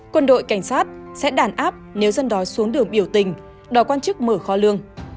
quân đội cảnh sát sẽ đàn áp nếu dân đó xuống đường biểu tình đòi quan chức mở kho lương